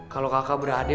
kalo kakak berade